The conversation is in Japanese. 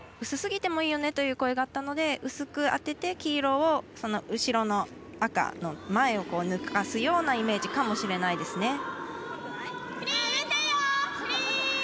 薄すぎていいよねという声があったので薄く当てて黄色を後ろの赤の前を抜かすようなイメージかもしれないですね。